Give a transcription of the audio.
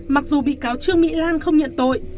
mặc dù bị cáo trương mỹ lan không nhận tội